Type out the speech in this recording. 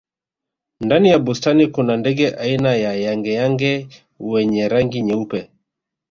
ndani ya bustani kuna ndege aina ya yangeyange wenye rangi nyeupe